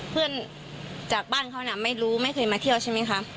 เพื่อนจากบ้านเขาน่ะไม่รู้ไม่เคยมาเที่ยวใช่ไหมคะ